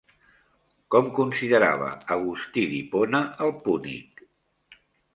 Com considerava Agustí d'Hipona el púnic?